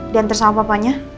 diantar sama papanya